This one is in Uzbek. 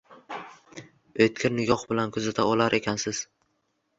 O’tkir nigoh bilan kuzata olar ekansiz.